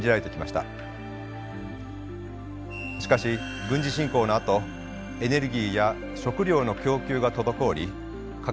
しかし軍事侵攻のあとエネルギーや食料の供給が滞り価格が上昇。